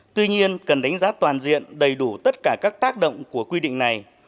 tuy nhiên cần đánh giá toàn diện đầy đủ tất cả các tác động của quy định này